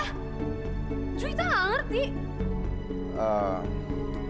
juwita gak ngerti